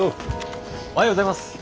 おはようございます。